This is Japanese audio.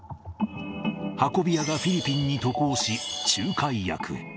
運び屋がフィリピンに渡航し、仲介役へ。